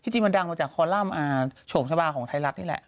จริงมันดังมาจากคอลัมป์โฉมชะบาของไทยรัฐนี่แหละ